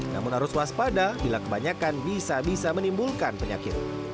namun harus waspada bila kebanyakan bisa bisa menimbulkan penyakit